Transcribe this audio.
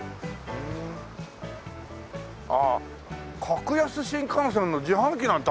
あっ格安新幹線の自販機なんてあるの？